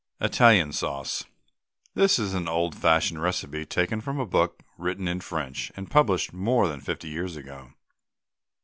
ITALIAN SAUCE. This is an old fashioned recipe taken from a book written in French, and published more than fifty years ago.